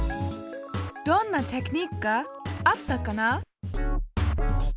どんなテクニックがあったかな？